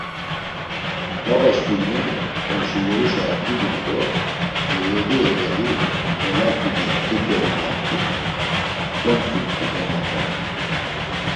Babaşǩimi ǩomşiluğişa iduǩo evvedi evvedi golaǩidi ǩeǩevuğamt̆i, gomtzumt̆i gramafoni.